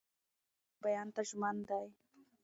لیکوال د حقایقو بیان ته ژمن دی.